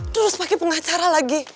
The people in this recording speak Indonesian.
terus pake pengacara lagi